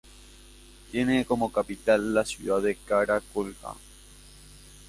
Tiene como capital la ciudad de Kara-Kulja.